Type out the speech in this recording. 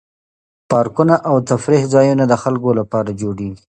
پارکونه او تفریح ځایونه د خلکو لپاره جوړیږي.